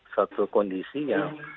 satu kondisi yang